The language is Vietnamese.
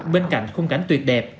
bên cạnh khung cảnh tuyệt đẹp